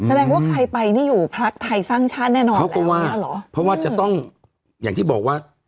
แสดงว่าใครไปนี่อยู่พักไทยสร้างชาติแน่นอนเขาก็ว่าเหรอเพราะว่าจะต้องอย่างที่บอกว่า